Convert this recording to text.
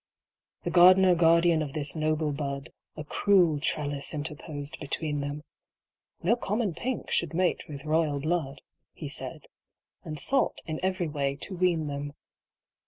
The gardener guardian of this noble bud A cruel trellis interposed between them. No common Pink should mate with royal blood, He said, and sought in every way to wean them.